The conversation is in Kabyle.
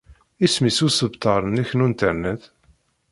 Isem-nnes usebter-nnek n Internet?